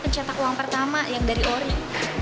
pencetak uang pertama yang dari ori